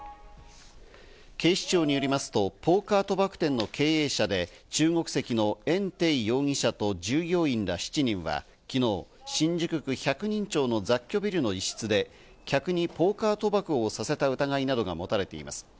警視庁によりますと、ポーカー賭博店の経営者で中国籍のエン・テイ容疑者と従業員ら７人は昨日、新宿百人町の雑居ビルの一室で客にポーカー賭博をさせた疑いなどが持たれています。